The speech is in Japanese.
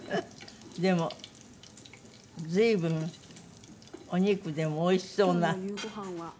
でも随分お肉でもおいしそうな。